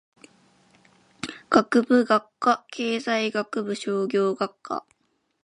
学部・学科経済学部商業学科